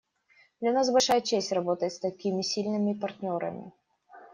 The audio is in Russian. Для нас большая честь работать с такими сильными партнерами.